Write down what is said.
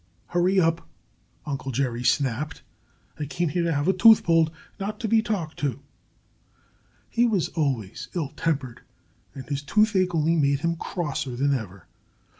"Hurry up!" Uncle Jerry snapped. "I came here to have a tooth pulled not to be talked to." He was always ill tempered. And his toothache only made him crosser than ever.